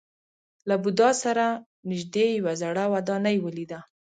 له بودا سره نژدې یوه زړه ودانۍ ولیده.